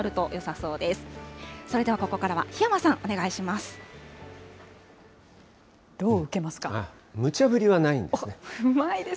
それではここからは檜山さん、お願いします。